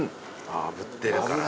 あぶってるから。